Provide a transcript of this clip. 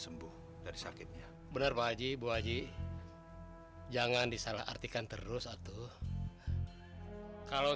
sembuh dari sakitnya benar wajibu aji jangan disalah artikan terus satu kalau